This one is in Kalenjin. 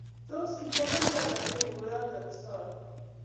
Tos ki chamanik Ata chemi koyoto kisoe?